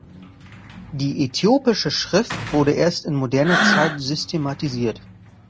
Die äthiopische Schrift wurde erst in moderner Zeit systematisiert.